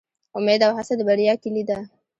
امید او هڅه د بریا کیلي ده